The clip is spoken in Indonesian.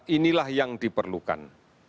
inilah yang diperlukan